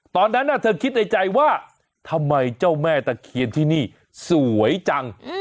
ตอนนั้นเธอคิดในใจว่าทำไมเจ้าแม่ตะเคียนที่นี่สวยจัง